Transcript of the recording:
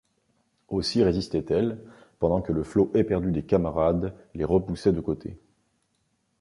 Aussi résistait-elle, pendant que le flot éperdu des camarades les repoussait de côté.